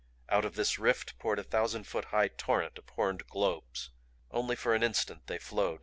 Out of this rift poured a thousand foot high torrent of horned globes. Only for an instant they flowed.